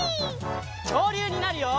きょうりゅうになるよ！